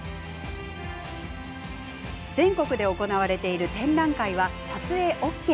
全国で行われている展覧会は撮影ＯＫ。